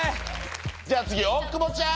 じゃあ次大久保ちゃん